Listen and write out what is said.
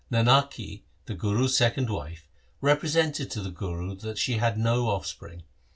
Nanaki, the Guru's second wife, represented to the Guru that she had no offspring.